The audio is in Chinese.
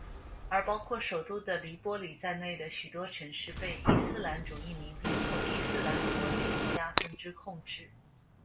而包括首都的黎波里在内的许多城市被伊斯兰主义民兵或伊斯兰国利比亚分支控制。